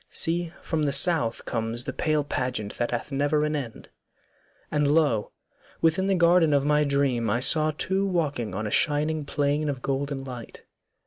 See from the South Comes the pale pageant that hath never an end.' And lo! within the garden of my dream I saw two walking on a shining plain Of golden light.